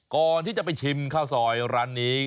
ก่อนที่จะไปชิมข้าวซอยร้านนี้